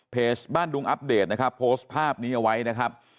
บ้านดุงอัปเดตนะครับโพสต์ภาพนี้เอาไว้นะครับ